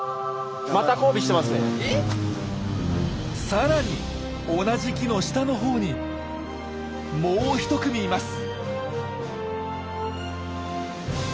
さらに同じ木の下のほうにもう１組います！